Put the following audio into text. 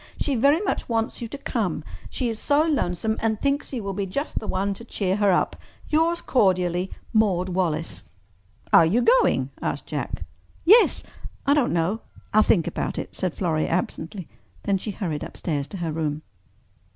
She very much wants you to come—she is so lonesome and thinks you will be just the one to cheer her up. "Yours cordially, "Maude Wallace." "Are you going?" asked Jack. "Yes—I don't know—I'll think about it," said Florrie absently. Then she hurried upstairs to her room.